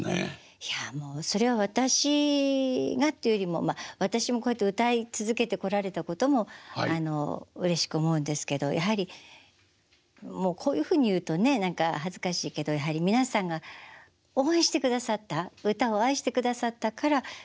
いやもうそれは私がというよりもまあ私もこうやって歌い続けてこられたこともうれしく思うんですけどやはりこういうふうに言うとね何か恥ずかしいけどやはり皆さんが応援してくださった歌を愛してくださったから今日なんだなって。